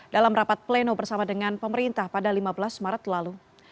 dalam rapat pleno bersama dengan pemerintah pada lima belas maret lalu